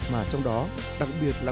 mà trong đó đặc biệt là